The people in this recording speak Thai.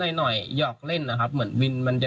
แต่ว่าวินนิสัยดุเสียงดังอะไรเป็นเรื่องปกติอยู่แล้วครับ